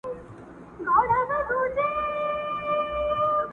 اوس به څوك راويښوي زاړه نكلونه!